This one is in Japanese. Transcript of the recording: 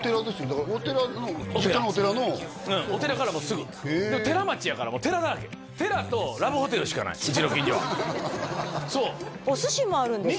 だからお寺の実家のお寺のうんお寺からもうすぐ寺町やから寺だらけ寺とラブホテルしかないうちの近所はお寿司もあるんですか？